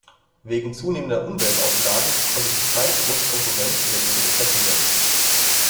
Wegen zunehmender Umwelt-Auflagen konnte sich keine große Konkurrenz in der Gegend etablieren.